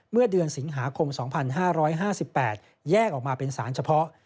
เมื่อเดือนสิงหาคม๒๕๕๘แยกออกมาเป็นสารเฉพาะ